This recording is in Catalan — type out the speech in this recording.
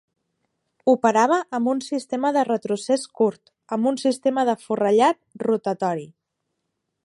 Operava amb un sistema de retrocés curt, amb un sistema de forrellat rotatori.